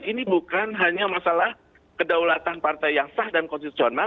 ini bukan hanya masalah kedaulatan partai yang sah dan konstitusional